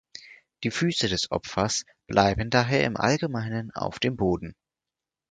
Die Füße des Opfers bleiben daher im Allgemeinen auf dem Boden.